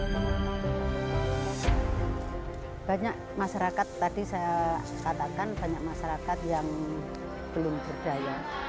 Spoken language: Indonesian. hai banyak masyarakat tadi saya katakan banyak masyarakat yang belum berdaya